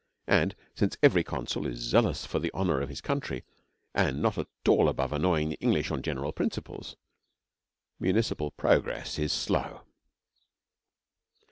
And since every consul is zealous for the honour of his country and not at all above annoying the English on general principles, municipal progress is slow.